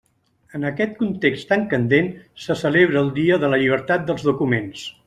En aquest context tan candent, se celebra el Dia de la Llibertat dels Documents.